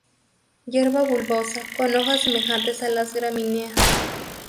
Hierba bulbosa, con hojas semejantes a las gramíneas.